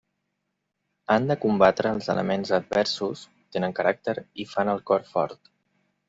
Han de combatre els elements adversos, tenen caràcter i fan el cor fort.